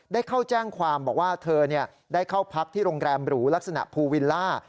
ได้เข้าแจ้งความบอกว่าเธอได้เข้าพักที่โรงแรมหรูลักษณะภูวิลล่า